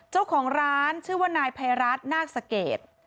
เจ้าของร้านชื่อว่านายภัยรัฐนาคสเกต